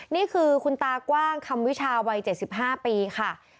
นี่คือคุณตากว้างคำวิชาวัย๗๕ปีค่ะ